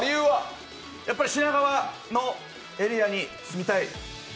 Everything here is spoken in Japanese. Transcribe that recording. やっぱり品川のエリアに住みたい。